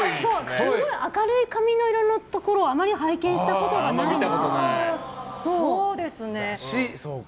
すごい明るい髪色のところをあまり拝見したことがないので。